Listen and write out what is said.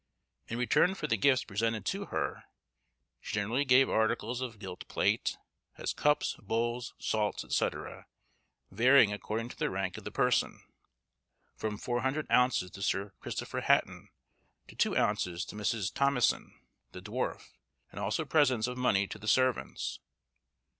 In return for the gifts presented to her, she generally gave articles of gilt plate, as cups, bowls, salts, &c., varying according to the rank of the person; from 400 ounces to Sir Christopher Hatton, to two ounces to Mrs. Tomysen, the dwarf; and also presents of money to the servants.